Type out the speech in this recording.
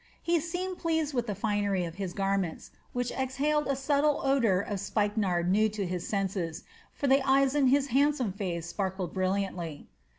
He seemed pleased with the finery of his garments, which exhaled a subtle odor of spikenard new to his senses; for the eyes in his handsome face sparkled brilliantly.